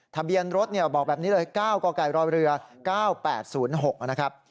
ทะเบียนรถบอกแบบนี้เลย๙กกรเรือ๙๘๐๖นะครับ